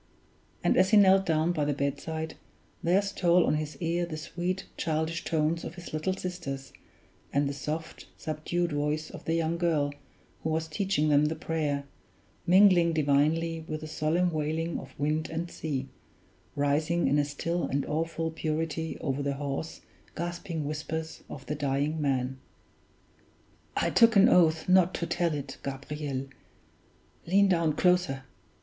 And as he knelt down by the bedside, there stole on his ear the sweet, childish tones of his little sisters, and the soft, subdued voice of the young girl who was teaching them the prayer, mingling divinely with the solemn wailing of wind and sea, rising in a still and awful purity over the hoarse, gasping whispers of the dying man. "I took an oath not to tell it, Gabriel lean down closer!